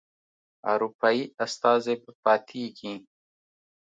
اروپایي استازی به پاتیږي.